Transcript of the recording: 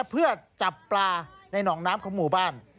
เพื่อจับปลาในหนองน้ำของหมู่บ้าน